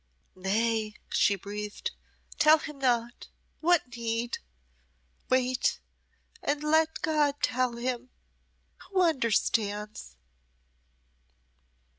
"Nay," she breathed. "Tell him not. What need? Wait, and let God tell him who understands."